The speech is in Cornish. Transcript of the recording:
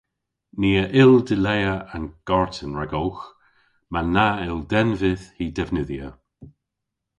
Ni a yll dilea an garten ragowgh ma na yll den vyth hy devnydhya.